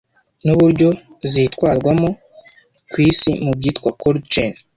n'uburyo zitwarwamo ku isi mu byitwa cold chain